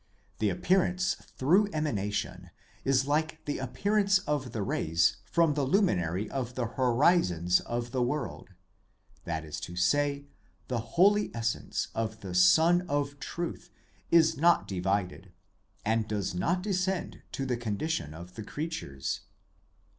The appearance through emanation is like the appearance of the rays from the luminary of the horizons of the world : that is to say, the holy essence of the Sun of Truth is not divided, and does not descend to the condition of the creatures.